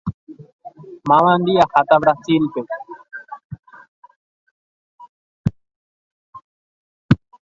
Mávandi aháta Brasilpe.